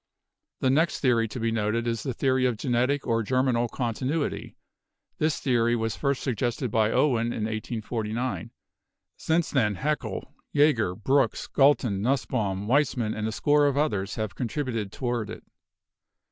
The next theory to be noted is the theory of Genetic or Germinal Continuity. This theory was first suggested by Owen in 1849. Since then Hackel, Jager, Brooks, Galton, Nussbaum, Weismann, and a score of others have con tributed toward it.